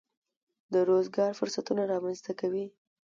د روزګار فرصتونه رامنځته کوي.